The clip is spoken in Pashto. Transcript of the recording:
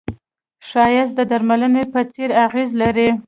ښایست د درملو په څېر اغېز لري